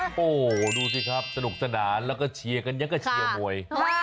โอ้โหดูสิครับสนุกสนานแล้วก็เชียร์กันยังก็เชียร์มวย